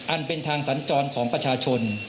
อันเป็นทางสัญจรของประชาชน